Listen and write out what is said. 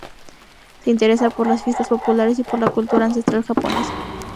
Se interesa por las fiestas populares y por la cultura ancestral japonesa.